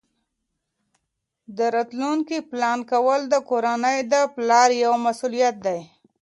د راتلونکي پلان کول د کورنۍ د پلار یوه مسؤلیت ده.